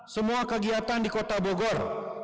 semua kegiatan di kota bogor